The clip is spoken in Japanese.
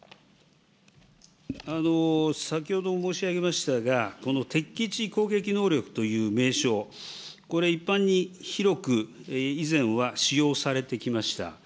先ほど申し上げましたが、この敵基地攻撃能力という名称、これ、一般に広く以前は使用されてきました。